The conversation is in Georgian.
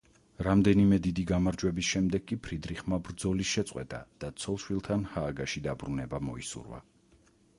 რამდენიმე დიდი გამარჯვების შემდეგ კი ფრიდრიხმა ბრძოლის შეწყვეტა და ცოლ-შვილთან ჰააგაში დაბრუნება მოისურვა.